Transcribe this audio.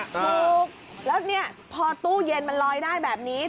ถูกแล้วเนี่ยพอตู้เย็นมันลอยได้แบบนี้